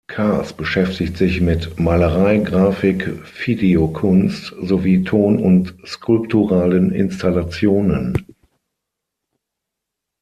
Kahrs beschäftigt sich mit Malerei, Graphik, Videokunst sowie Ton- und skulpturalen Installationen.